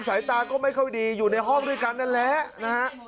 สายตาก็ไม่ค่อยดีอยู่ในห้องด้วยกันนั่นแหละนะฮะ